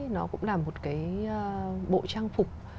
nó cũng là một cái bộ trang phục